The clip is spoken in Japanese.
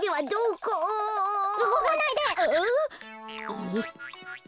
えっ？